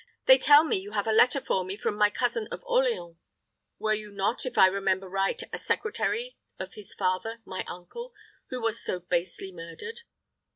"They tell me you have a letter for me from my cousin of Orleans. Were you not, if I remember right, the secretary of his father, my uncle, who was so basely murdered?"